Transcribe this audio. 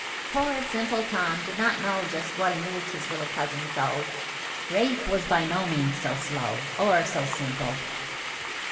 Poor, simple Tom did know just what amused his little cousin so. Rafe was by no means so slow, or so simple.